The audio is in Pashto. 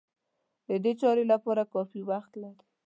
د دې چارې لپاره کافي وخت لري.